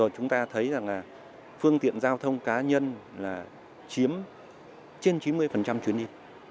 chúng ta thấy rằng là phương tiện giao thông cá nhân là chiếm trên chín mươi chuyến đi